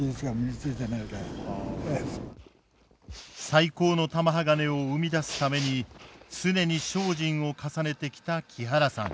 最高の玉鋼を生み出すために常に精進を重ねてきた木原さん。